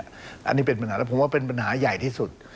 อันนี้เป็นปัญหาแล้วผมว่าเป็นปัญหาใหญ่ที่สุด